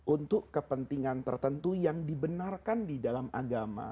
untuk kepentingan tertentu yang dibenarkan di dalam agama